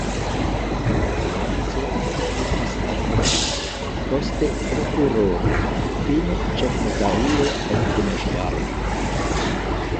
Komence li estis advokato, poste prokuroro, fine ĉefnotario en Temeŝvaro.